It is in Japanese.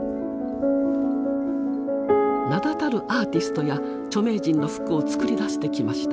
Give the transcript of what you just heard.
名だたるアーティストや著名人の服を作り出してきました。